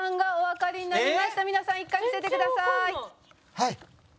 はい。